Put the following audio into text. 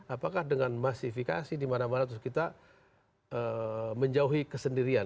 apakah dengan massifikasi dimana mana terus kita menjauhi kesendirian